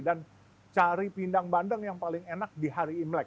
dan cari pindang bandeng yang paling enak di hari imlek